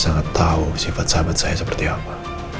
sangat tahu sifat sahabat saya seperti apa